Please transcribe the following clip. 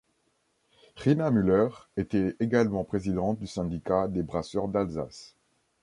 Rina Muller était également présidente du Syndicat des Brasseurs d'Alsace.